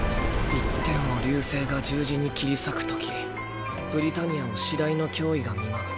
「一天を流星が十字に斬り裂く時ブリタニアを至大の脅威が見舞う。